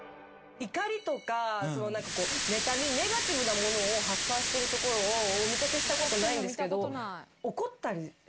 怒りとかねたみネガティブなものを発散してるところをお見掛けしたことないんですけど怒ったり。